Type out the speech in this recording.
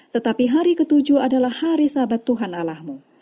tetapi hari ketujuh adalah hari sabat tuhan allahmu